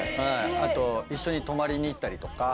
あと一緒に泊まりに行ったりとか。